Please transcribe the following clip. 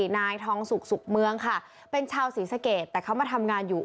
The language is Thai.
นายทองสุกสุขเมืองค่ะเป็นชาวศรีสะเกดแต่เขามาทำงานอยู่